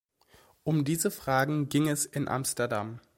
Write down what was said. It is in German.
Um diese Fragen ging es in Amsterdam.